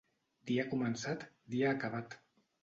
Dia començat, dia acabat.